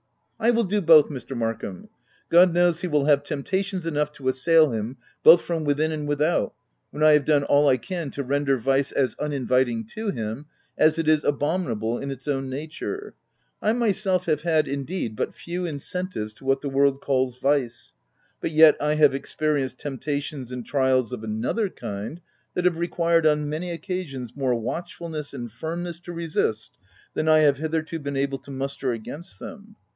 u I will do both, Mr. Markham. God knows he will have temptations enough to assail him, both from within and without, when I have done all I can to render vice as uninviting to him, as it is abominable in its own nature — I myself, have had, indeed, but few incentives to what the world calls vice, but yet, I have ex perienced temptations and trials of another kind, that have, required, on many occasions, more watchfulness and firmness to resist, than I have hitherto been able to muster against them.